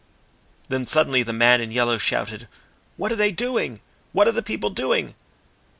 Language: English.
Then suddenly the man in yellow shouted: "What are they doing? What are the people doing?